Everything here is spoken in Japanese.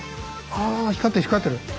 ああ光ってる光ってる！